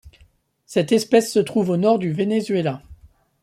Cette espèce se trouve au nord du Venezuela.